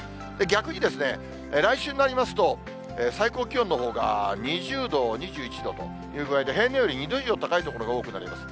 逆に来週になりますと、最高気温のほうが２０度、２１度と、平年より２度以上高い所が多くなります。